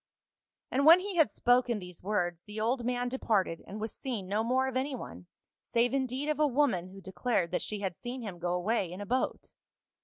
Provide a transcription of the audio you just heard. " And when he had spoken these words the old man departed and was seen no more of any one, save in deed of a woman who declared that she had seen him go away in a boat.